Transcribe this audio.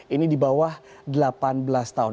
ini di bawah delapan belas tahun